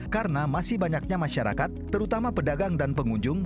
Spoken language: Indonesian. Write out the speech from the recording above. karena masih banyaknya masyarakat terutama pedagang dan pengunjung